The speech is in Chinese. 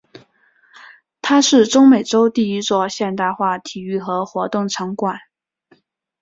它是中美洲第一座现代化体育和活动场馆。